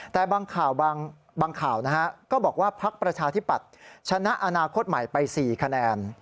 แต่บางข่าวบางข่าวก็บอกว่าพักประชาธิปัตย์ชนะอนาคตใหม่ไป๔คะแนน